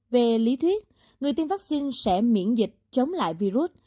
về lý thuyết người tiêm vaccine sẽ miễn dịch chống lại virus